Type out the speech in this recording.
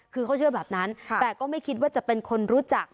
คือเขาเชื่อแบบนั้นแต่ก็ไม่คิดว่าจะเป็นคนรู้จัก